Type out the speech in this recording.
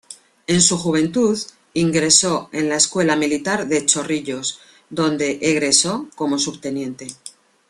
En su juventud ingresó a la Escuela Militar de Chorrillos, donde egresó como subteniente.